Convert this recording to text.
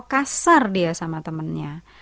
kasar dia sama temennya